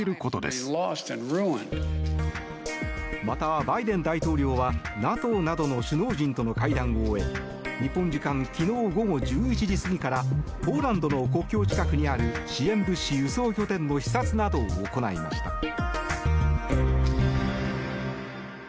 また、バイデン大統領はＮＡＴＯなどの首脳陣との会談を終え日本時間昨日午後１１時過ぎからポーランドの国境近くにある支援物資輸送拠点の視察などを行いました。